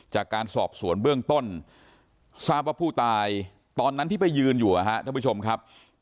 จากการสอบสวนเบื้องต้นทราบว่าผู้ตายตอนนั้นที่ไปยืนอยู่ท่านผู้ชมครับ